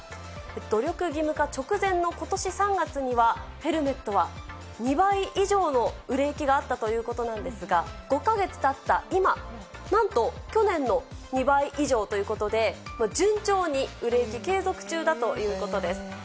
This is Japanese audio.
努力義務化直前のことし３月には、ヘルメットは、２倍以上の売れ行きがあったということなんですが、５か月たった今、なんと去年の２倍以上ということで、順調に売れ行き継続中だということです。